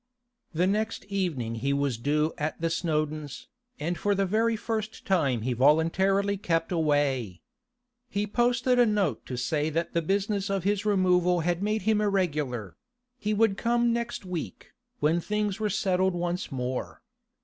The next evening he was due at the Snowdons', and for the very first time he voluntarily kept away. He posted a note to say that the business of his removal had made him irregular; he would come next week, when things were settled once more.